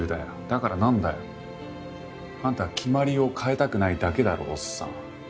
だからなんだよ？あんた決まりを変えたくないだけだろおっさん。